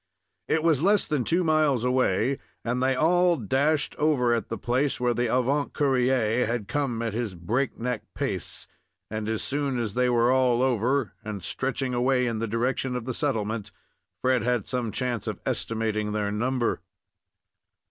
It was less than two miles away, and they all dashed over at the place where the avant courier had come at his break neck pace; and as soon as they were all over, and stretching away in the direction of the settlement, Fred had some chance of estimating their number.